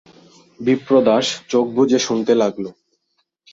বিপ্রদাস চোখ বুজে শুনতে লাগল।